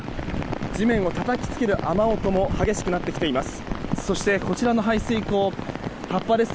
地面をたたきつける雨音も激しくなってきています。